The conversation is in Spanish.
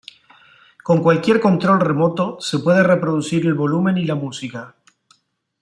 Con cualquier control remoto se puede reproducir el volumen y la música.